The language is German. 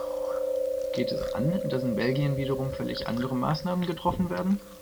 Geht es an, dass in Belgien wiederum völlig andere Maßnahmen getroffen werden?